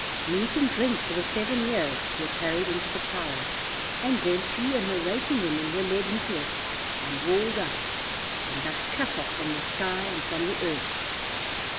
Meat and drink for the seven years were carried into the tower, and then she and her waiting woman were led into it and walled up, and thus cut off from the sky and from the earth.